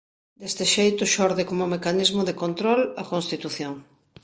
Deste xeito xorde como mecanismo de control a Constitución.